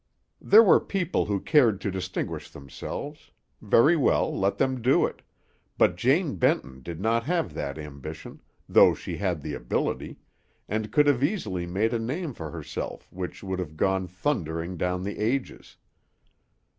There were people who cared to distinguish themselves: very well, let them do it; but Jane Benton did not have that ambition, though she had the ability, and could have easily made a name for herself which would have gone thundering down the ages.